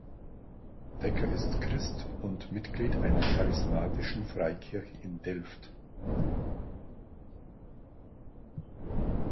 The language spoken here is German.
Dekker ist Christ und Mitglied einer charismatischen Freikirche in Delft.